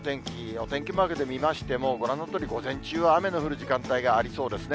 お天気マークで見ましても、ご覧のとおり、午前中は雨の降る時間帯がありそうですね。